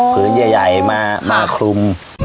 ผืนใหญ่มาคลุม